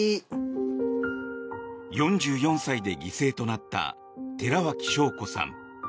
４４歳で犠牲となった寺脇晶子さん。